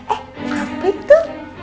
eh apa itu